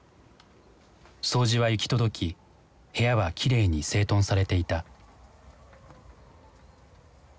掃除は行き届き部屋はきれいに整頓されていた。